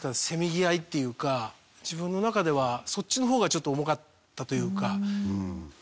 せめぎ合いっていうか自分の中ではそっちの方がちょっと重かったというか。